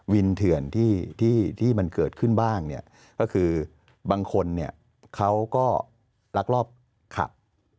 เถื่อนที่มันเกิดขึ้นบ้างเนี่ยก็คือบางคนเนี่ยเขาก็ลักลอบขับ